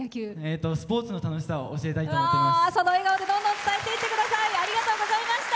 スポーツの楽しさを教えたいと思っています。